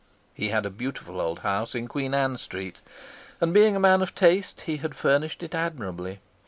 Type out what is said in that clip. He had a beautiful old house in Queen Anne Street, and being a man of taste he had furnished it admirably.